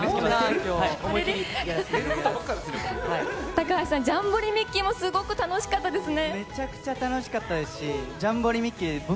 高橋さん、ジャンボリミッキー！もすごく楽しかったですね。